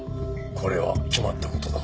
これは決まったことだ。